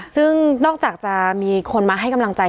ซึ่งนอกจากจะมีคนมาให้กำลังใจ